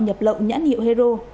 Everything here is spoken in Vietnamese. nhập lậu nhãn hiệu hero